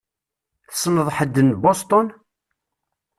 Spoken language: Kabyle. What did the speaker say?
Tessneḍ ḥedd n Boston?